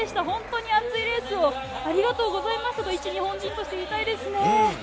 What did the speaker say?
本当に熱いレースをありがとうございましたといち日本人として言いたいですね。